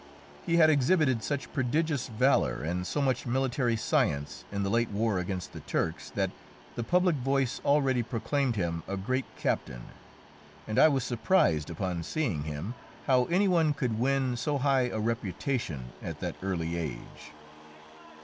He had exhibited such prodigious valour and so much military science in the late war against the Turks that the public voice already proclaimed him a great captain, and I was surprised upon seeing him how any one could win so high a reputation at that early age.